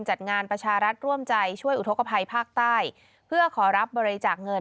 ทรงมีลายพระราชกระแสรับสู่ภาคใต้